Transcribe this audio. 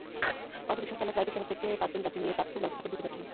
অটোরিকশার চালক রায়পুর শহর থেকে পাঁচজন যাত্রী নিয়ে চাঁদপুর লঞ্চঘাটের দিকে যাচ্ছিলেন।